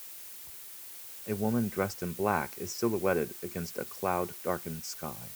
A woman dressed in black is silhouetted against a cloud darkened sky.